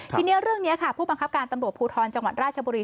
ทีนี้เรื่องนี้ค่ะผู้บังคับการตำรวจภูทรจังหวัดราชบุรี